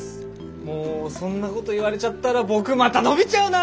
もうそんなこと言われちゃったら僕また伸びちゃうな。